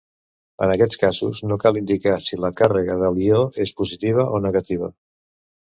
En aquests casos no cal indicar si la càrrega de l'ió és positiva o negativa.